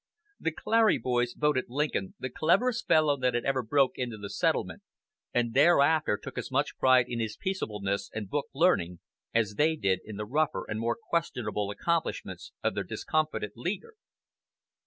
The Clary's Grove "boys" voted Lincoln "the cleverest fellow that had ever broke into the settlement," and thereafter took as much pride in his peaceableness and book learning as they did in the rougher and more questionable accomplishments of their discomfited leader.